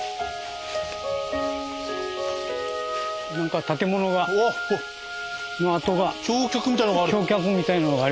何か建物の跡が。